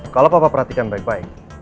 kalau papa perhatikan baik baik